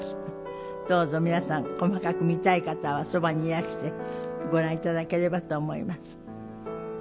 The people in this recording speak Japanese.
どうぞ皆さん細かく見たい方はそばにいらしてご覧頂ければと思います。